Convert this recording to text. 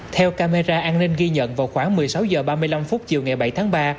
theo camera an ninh ghi nhận vào khoảng một mươi sáu h ba mươi năm chiều ngày bảy tháng ba